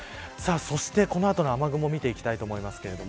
そして、この後の雨雲見ていきたいと思います。